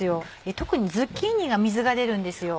特にズッキーニが水が出るんですよ。